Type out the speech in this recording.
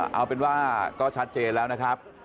เอาเป็นว่าก็ชัดเจนแล้วนะครับ